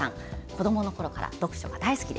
子どものころから読書が大好き。